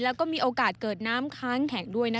แล้วก็มีโอกาสเกิดน้ำค้างแข็งด้วยนะคะ